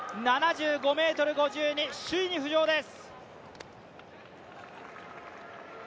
７５ｍ５２、首位に浮上です。